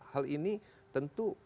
hal ini tentu